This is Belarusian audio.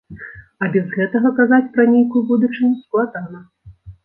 А без гэтага казаць пра нейкую будучыню складана.